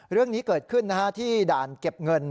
เรื่องนี้เกิดขึ้นที่ด่านเก็บเงิน